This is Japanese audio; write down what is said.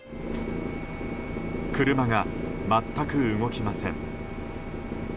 車が全く動きません。